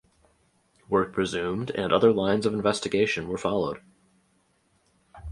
Work resumed and other lines of investigation were followed.